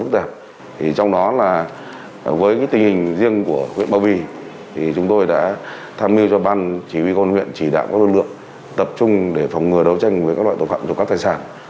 trong đó là với tình hình riêng của huyện ba vì chúng tôi đã tham mưu cho ban chỉ huy con huyện chỉ đạo các lực lượng tập trung để phòng ngừa đấu tranh với các loại tội phạm trộm cắp tài sản